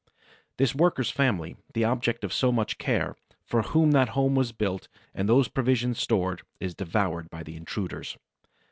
The worker's family, the object of so much care, for whom that home was built and those provisions stored, is devoured by the intruders.